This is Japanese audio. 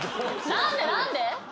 何で何で！？